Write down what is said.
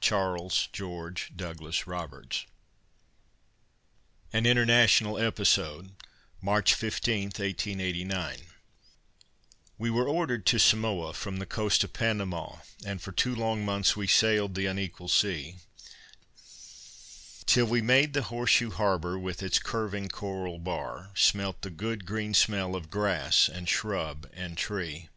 CHARLES GEORGE DOUGLAS ROBERTS. AN INTERNATIONAL EPISODE [March 15, 1889] We were ordered to Samoa from the coast of Panama, And for two long months we sailed the unequal sea, Till we made the horseshoe harbor with its curving coral bar, Smelt the good green smell of grass and shrub and tree.